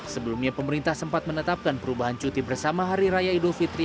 sebelumnya pemerintah sempat menetapkan perubahan cuti bersama hari raya idul fitri